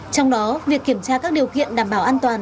trong đó việc kiểm tra các điều kiện đảm bảo an toàn